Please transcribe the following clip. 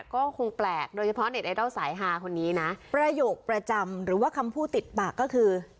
ก็คงแปลกโดยเฉพาะเน็ตไอดอลสายฮาคนนี้นะประโยคประจำหรือว่าคำพูดติดปากก็คือ